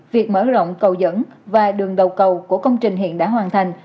việc mở rộng cầu dẫn và đường đầu cầu của công trình hiện đã hoàn thành